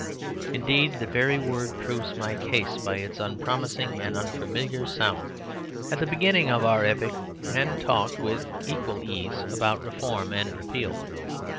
Indeed, the very word proves my case by its unpromising and unfamiliar sound. At the beginning of our epoch men talked with equal ease about Reform and Repeal.